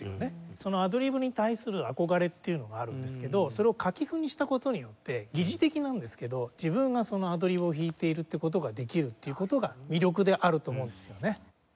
そのアドリブに対する憧れっていうのがあるんですけどそれを書き譜にした事によって疑似的なんですけど自分がそのアドリブを弾いているって事ができるっていう事が魅力であると思うんですよね。